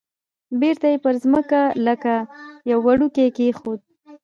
بیرته یې پر مځکه لکه یو وړوکی کېښود.